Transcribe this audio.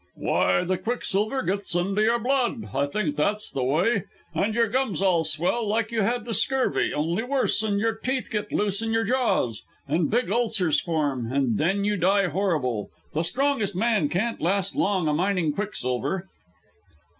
"Why, the quicksilver gets into your blood; I think that's the way. And your gums all swell like you had the scurvy, only worse, and your teeth get loose in your jaws. And big ulcers form, and then you die horrible. The strongest man can't last long a mining quicksilver."